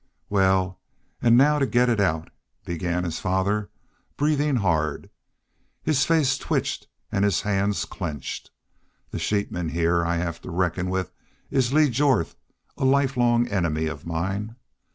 "Wal, an' now to get it out," began his father, breathing hard. His face twitched and his hands clenched. "The sheepman heah I have to reckon with is Lee Jorth, a lifelong enemy of mine.